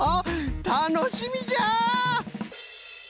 たのしみじゃ！